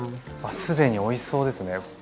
既においしそうですね。